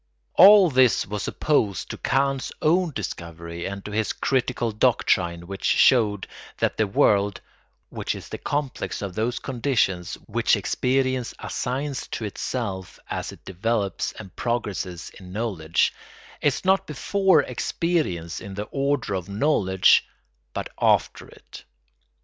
All this was opposed to Kant's own discovery and to his critical doctrine which showed that the world (which is the complex of those conditions which experience assigns to itself as it develops and progresses in knowledge) is not before experience in the order of knowledge, but after it.